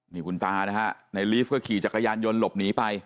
นี่คุณตานะฮะในลีฟก็ขี่จักรยานยนต์หลบหนีไป